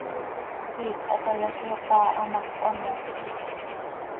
Iicx hatayaxyat áa, hamác cöhamootlolca.